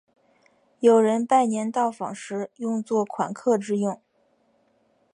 有人拜年到访时用作款客之用。